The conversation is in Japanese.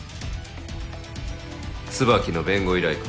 椿の弁護依頼か。